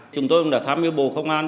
chúng tôi đã tham dự bộ công an